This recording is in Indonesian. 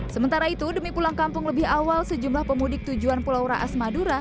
sementara itu demi pulang kampung lebih awal sejumlah pemudik tujuan pulau raas madura